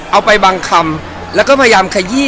เอาไปบางคำแล้วก็พยายามขยี้